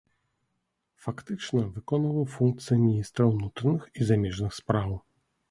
Фактычна выконваў функцыі міністра унутраных і замежных спраў.